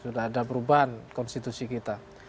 sudah ada perubahan konstitusi kita